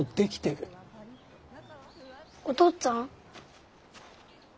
・おとっつぁん？